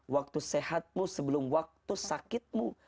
waktu sehatmu sebelum waktu sakitmu